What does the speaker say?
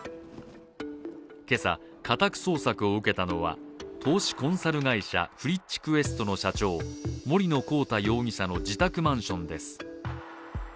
今朝、家宅捜索を受けたのは投資コンサル会社ＦＲｉｃｈＱｕｅｓｔの社長、森野広太容疑者の自宅マンションです。